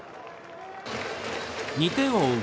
２点を追う